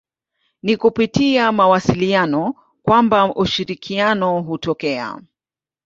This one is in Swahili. Ni kupitia mawasiliano kwamba ushirikiano hutokea.